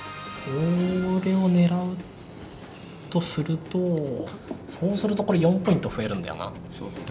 これを狙うとするとそうするとこれ４ポイント増えるんだよな。